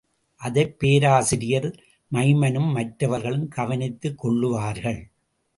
அதைப் பேராசிரியர் மைமனும், மற்றவர்களும் கவனித்துக் கொள்ளுவார்கள்.